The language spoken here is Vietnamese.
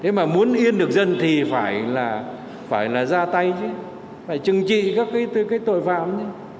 thế mà muốn yên được dân thì phải là ra tay chứ phải chừng trị các cái tội phạm chứ